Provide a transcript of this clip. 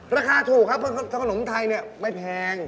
ราคาถูกครับเพราะว่าขนมไทยไม่แพง